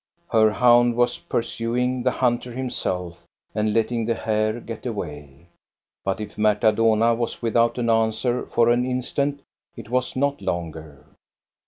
Her hound was pursuing the hunter himself and letting the hare get away. But if Marta Dohna was without an answer for an instant, it was not longer.